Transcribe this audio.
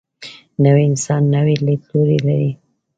نوی انسان نوی لیدلوری لري